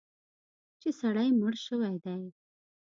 چې سړی مړ شوی دی.